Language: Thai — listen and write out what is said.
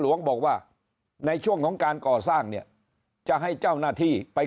หลวงบอกว่าในช่วงของการก่อสร้างเนี่ยจะให้เจ้าหน้าที่ไป